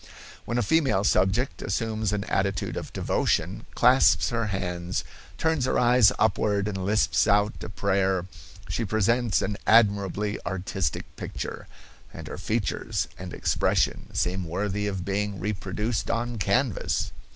"When a female subject assumes an attitude of devotion, clasps her hands, turns her eyes upward and lisps out a prayer, she presents an admirably artistic picture, and her features and expression seem worthy of being reproduced on canvas."